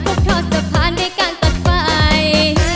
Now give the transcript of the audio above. จากการพกท่อสะพานได้การตกไป